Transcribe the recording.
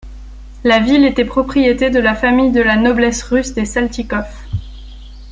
La ville était propriété de la famille de la noblesse russe des Saltykov.